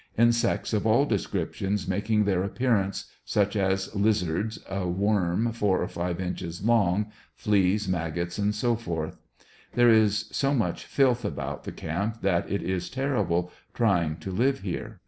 In sects of all descriptions making their appearance, such as lizards, a worm four or five inches long, fleas, maggots &c. There is so much filth about the camp that it is terrible trying to live here.